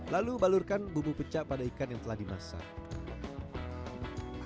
lalu balurkan bumbu pecah pada ikan yang telah dimasak